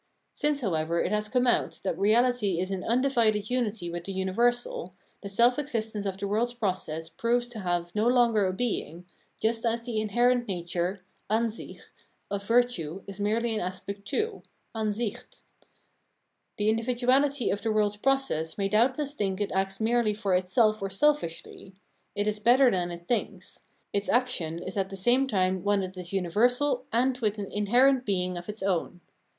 Since, however, it has come out that reahty is in undivided 'unity with the universal, the self existence of the world's process proves to have no longer a being, just as the inherent nature [Ansich) of virtue is merely an aspect too {An sicht). The individuahty of the world's process may doubtless think it acts merely for itself or selfishly ; it is better than it thinks ; its action is at the same time one that is imiversal and with an inherent being of its own.